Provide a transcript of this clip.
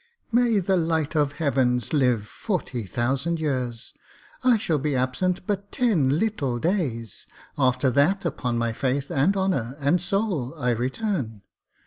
'May the Light of the Heavens live forty thousand years. I shall be absent but ten little days. After that, upon my faith and honour and soul, I return.